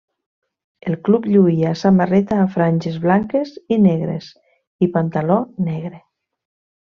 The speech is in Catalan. El club lluïa samarreta a franges blanques i negres i pantaló negre.